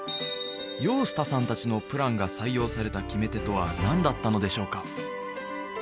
ヨースタさん達のプランが採用された決め手とは何だったのでしょうか？